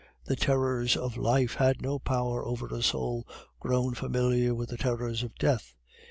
The terrors of life had no power over a soul grown familiar with the terrors of death.